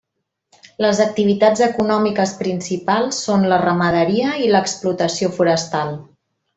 Les activitats econòmiques principals són la ramaderia i l'explotació forestal.